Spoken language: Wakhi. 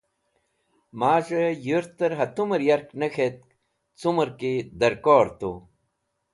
Maz̃hẽ yũrtẽr hatumẽr yark ne k̃hetk cumẽr ki dẽrkor tu